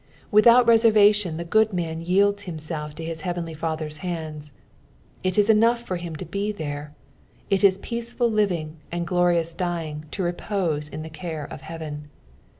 Without reservation the good man yields himself to his heavenly Father's hand ; it is enough for him to be there ; it is peaceful living and glorious dying to repose in the care of heaven.